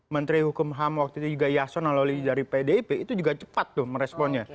menteri hukum ham waktu itu juga yasona lawli dari pdip itu juga cepat tuh meresponnya